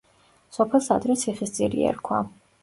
სოფელს ადრე ციხისძირი ერქვა.